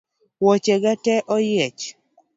Wuoche ga tee oyiech